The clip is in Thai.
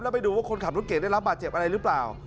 แล้วไปดูว่าคนขับรถเก่งได้รับบาดเจ็บอะไรหรือเปล่า